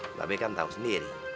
mbah be kan tau sendiri